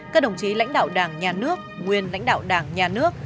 các đồng chí lãnh đạo đảng nhà nước nguyên lãnh đạo đảng nhà nước